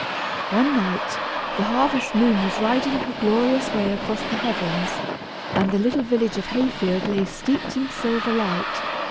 One night the harvest moon was riding her glorious way across the heavens, and the little village of Hayfield lay steeped in silver light.